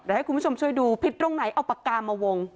เดี๋ยวให้คุณผู้ชมช่วยดูผิดตรงไหนเอาปากกามาวง